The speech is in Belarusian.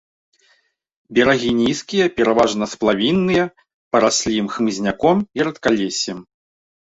Берагі нізкія, пераважна сплавінныя, параслі хмызняком і рэдкалессем.